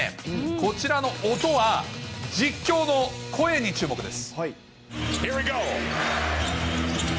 こちらの音は実況の声に注目です。